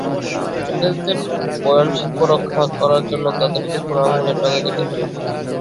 ইংরেজদের বয়নশিল্প রক্ষা করার জন্য তাদের তুখোড় আঙুলের ডগা কেটে ফেলা হয়।